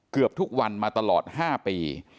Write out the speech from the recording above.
เกือบทุกวันมาตลอด๕ปี